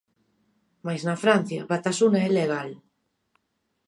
Mais na Francia, Batasuna é legal.